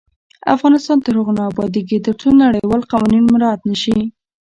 افغانستان تر هغو نه ابادیږي، ترڅو نړیوال قوانین مراعت نشي.